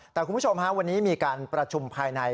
แต่คุณผู้ชมฮะวันนี้มีการประชุมภายใน